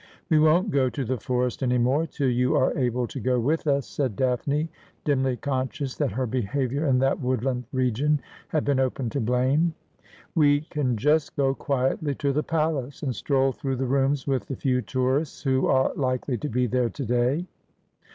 ' We won't go to the forest any more till you are able to go with us,' said Daphne, dimly conscious that her behaviour in that woodland region had been open to blame. ' We can just go quietly to the palace, and stroll through the rooms with the few tourists who are likely to be there to day.